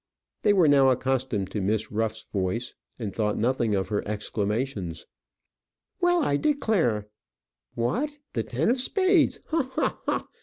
They were now accustomed to Miss Ruff's voice, and thought nothing of her exclamations. "Well, I declare what, the ten of spades! ha! ha! ha!